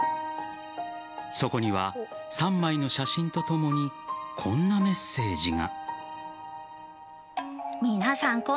そこには３枚の写真とともにこんなメッセージが。